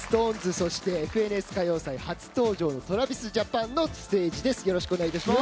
そして「ＦＮＳ歌謡祭」初登場のＴｒａｖｉｓＪａｐａｎのステージよろしくお願いします。